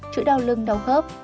chữa đau lưng đau khớp